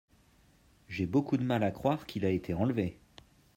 J'ai beaucoup de mal à coire qu'il a été enlevé.